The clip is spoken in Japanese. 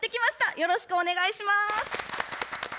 よろしくお願いします。